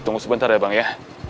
tunggu sebentar ya bang ya